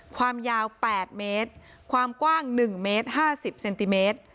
ความยาวแปดเมตรความกว้างหนึ่งเมตรห้าสิบเซนติเมตร